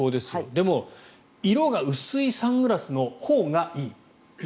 でも、色が薄いサングラスのほうがいい。